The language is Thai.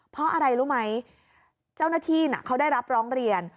เพราะอะไรรู้ไหมเจ้าหน้าที่เขาได้รับร้องเรียน